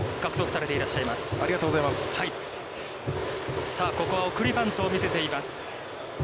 さあここは送りバントを見せています。